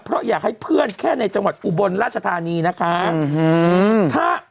เพราะอยากให้เพื่อนแค่ในจังหวัดอุบลราชธานีนะคะ